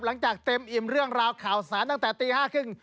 หลังจากเต็มอิ่มเรื่องราวข่าวสารตั้งแต่ตี๕ครึ่ง